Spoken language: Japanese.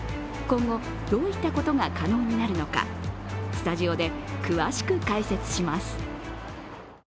今後、どういったことが可能になるのか、スタジオで詳しく解説します。